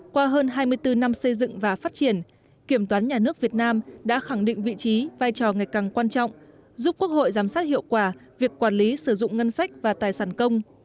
qua hơn hai mươi bốn năm xây dựng và phát triển kiểm toán nhà nước việt nam đã khẳng định vị trí vai trò ngày càng quan trọng giúp quốc hội giám sát hiệu quả việc quản lý sử dụng ngân sách và tài sản công